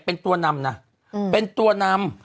เป็นตัวนำนะเป็นตัวนำ